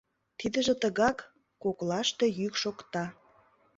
— Тидыже тыгак! — коклаште йӱк шокта.